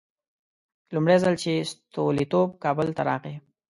لومړی ځل چې ستولیتوف کابل ته راغی.